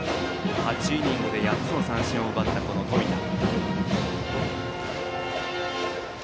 ８イニングで８つの三振を奪った冨田。